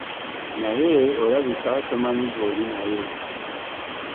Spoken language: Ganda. Naye olabika tomanyi gw'oli naye.